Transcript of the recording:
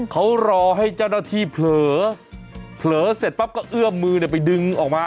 เขารอให้เจ้าหน้าที่เผลอเผลอเสร็จปั๊บก็เอื้อมมือไปดึงออกมา